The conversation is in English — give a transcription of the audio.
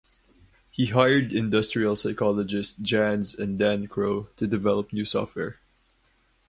He hired industrial psychologist Janz and Dan Crow to develop new software.